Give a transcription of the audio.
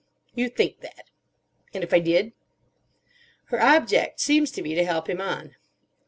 "You think that." "And if I did?" Her object seems to be to help him on.